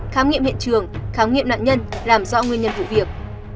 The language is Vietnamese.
khám nghiệm hiện trường khám nghiệm nạn nhân làm rõ nguyên nhân vụ việc